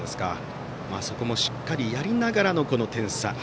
そこもしっかりやりながらのこの点差。